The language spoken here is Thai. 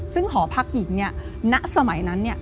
ซึ่งหอพักหญิงณสมัยนั้น